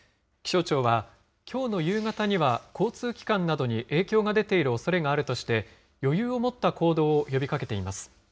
気象庁は、きょうの夕方には交通機関などに影響が出ているおそれがあるとして、余裕を持った行動を呼びかけています。